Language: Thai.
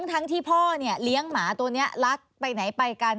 ทั้งที่พ่อเนี่ยเลี้ยงหมาตัวนี้รักไปไหนไปกัน